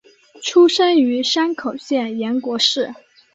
出身于山口县岩国市。